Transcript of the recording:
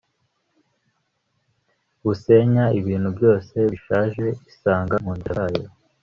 busenya ibintu byose bishaje isanga munzira zayo